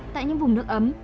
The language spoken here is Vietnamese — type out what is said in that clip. tại những vùng nước ấm